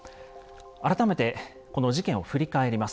改めてこの事件を振り返ります。